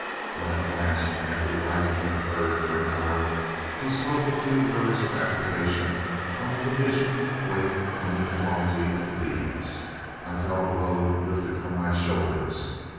When at last, after riding with the herd for an hour, he spoke a few words of approbation on the condition, weight, and uniformity of the beeves, I felt a load lifted from my shoulders.